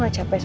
baik pak bos